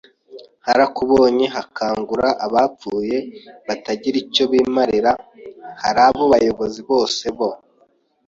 Harakubonye hakangura abapfuye batagira icyo bimarira h ari bo bayobozi bose bo